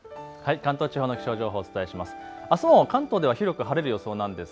関東地方の気象情報、お伝えします。